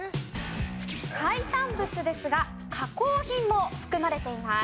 海産物ですが加工品も含まれています。